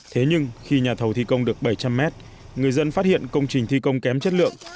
thế nhưng khi nhà thầu thi công được bảy trăm linh m người dân phát hiện công trình thi công kém chất lượng